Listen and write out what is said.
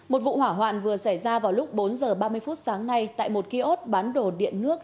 một vụ hỏa hoạn vừa xảy ra vào lúc bốn h ba mươi phút sáng nay tại một kiosk bán đồ điện nước